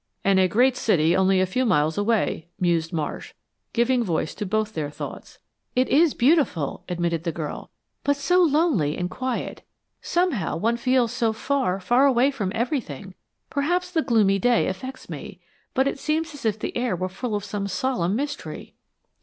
"And a great city only a few miles away," mused Marsh, giving voice to both their thoughts. "It is beautiful," admitted the girl, "but so lonely and quiet. Somehow, one, feels so far, far away from everything. Perhaps the gloomy day affects me, but it seems as if the air were full of some solemn mystery."